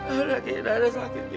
ada ada sakit ada sakit